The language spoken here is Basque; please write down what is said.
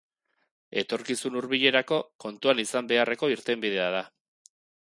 Etorkizun hurbilerako kontuan izan beharreko irtenbidea da.